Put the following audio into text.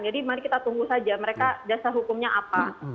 jadi mari kita tunggu saja mereka dasar hukumnya apa